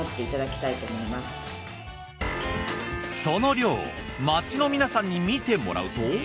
その量を街の皆さんに見てもらうと。